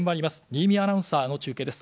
新美アナウンサーの中継です。